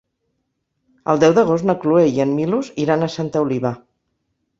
El deu d'agost na Cloè i en Milos iran a Santa Oliva.